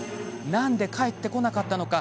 なんで帰ってこなかったのか？